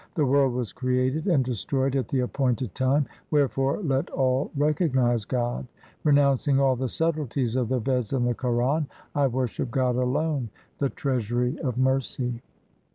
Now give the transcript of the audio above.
The world was created and destroyed at the appointed time ; wherefore let all recognize God. Renouncing all the subtleties of the Veds and the Quran. I worship God alone, the Treasury of mercy.